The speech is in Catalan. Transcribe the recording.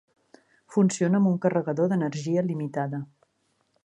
Funciona amb un carregador d'energia limitada.